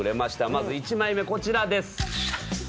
まず１枚目こちらです。